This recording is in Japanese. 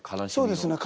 そうですね